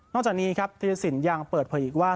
จากนี้ครับธิรสินยังเปิดเผยอีกว่า